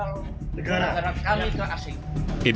aktivis menjual negara kami ke asing